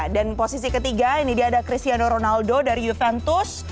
dan posisi ketiga ini dia ada cristiano ronaldo dari juventus